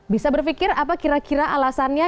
bisa berpikir apa kira kira alasannya